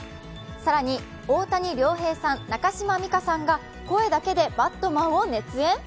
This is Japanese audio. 更に大谷亮平さん、中島美嘉さんが声だけでバットマンを熱演。